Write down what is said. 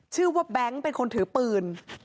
ชื่อว่าแบงค์เป็นคนถือปืน